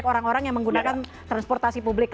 orang orang yang menggunakan transportasi publik